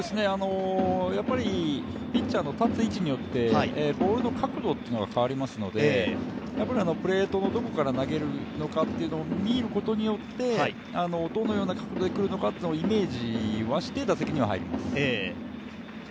やっぱりピッチャーの立つ位置によってボールの角度というのが変わりますのでプレートのどこから投げるのかというのを見ることによってどのような角度で来るのかというのをイメージはして打席には入ります。